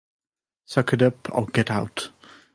Suck it up, or get out.